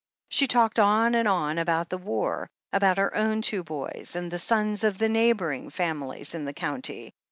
She talked on and on about the war, about her own two boys, and the sons of the neighbouring families in the county.